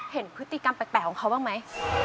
เห็นพฤติกรรมแปลกของเขาบ้างไหม